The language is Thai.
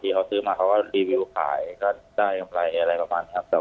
ทีเขาซื้อมาเขาว่ารีวิวขายก็ได้อะไรอะไรประมาณครับแต่